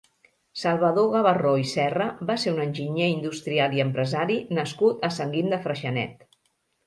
Salvador Gabarró i Serra va ser un enginyer industrial i empresari nascut a Sant Guim de Freixenet.